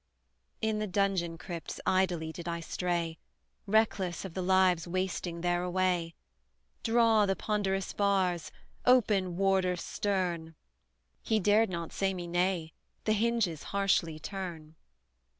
In the dungeon crypts idly did I stray, Reckless of the lives wasting there away; "Draw the ponderous bars! open, Warder stern!" He dared not say me nay the hinges harshly turn.